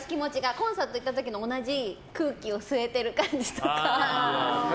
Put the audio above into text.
コンサート行った時の同じ空気を吸えてる感じとか。